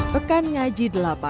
pekan ngaji delapan